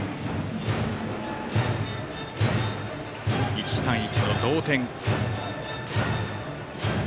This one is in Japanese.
１対１の同点。